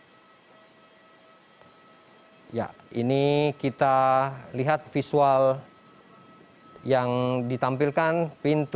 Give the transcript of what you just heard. ini adalah pesawat garuda indonesia yang di charter khusus untuk membawa total dari sembilan puluh enam wni yang berhasil dievakuasi dari ukraina beberapa hari lalu